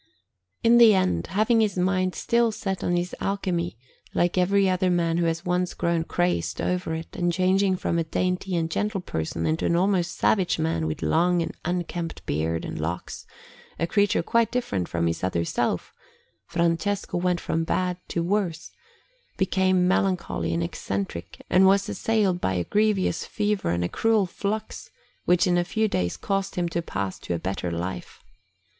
In the end, having his mind still set on his alchemy, like every other man who has once grown crazed over it, and changing from a dainty and gentle person into an almost savage man with long and unkempt beard and locks, a creature quite different from his other self, Francesco went from bad to worse, became melancholy and eccentric, and was assailed by a grievous fever and a cruel flux, which in a few days caused him to pass to a better life.